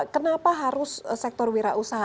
kenapa harus sektor wirausaha